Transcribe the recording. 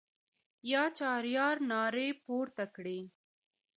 یا چهاریار نارې پورته کړې.